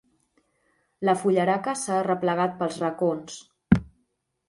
La fullaraca s'ha arreplegat pels racons.